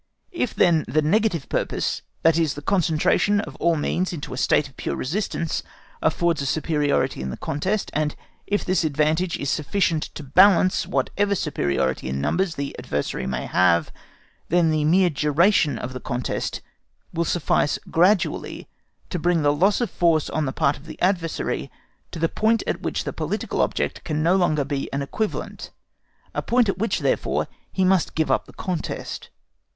If then the negative purpose, that is the concentration of all the means into a state of pure resistance, affords a superiority in the contest, and if this advantage is sufficient to balance whatever superiority in numbers the adversary may have, then the mere duration of the contest will suffice gradually to bring the loss of force on the part of the adversary to a point at which the political object can no longer be an equivalent, a point at which, therefore, he must give up the contest.